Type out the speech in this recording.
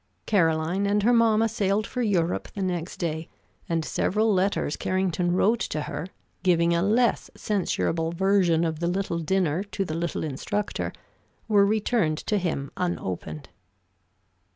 Caroline and her mamma sailed for Europe the next day, and several letters Carrington wrote to her, giving a less censurable version of the little dinner to the little instructor, were returned to him unopened.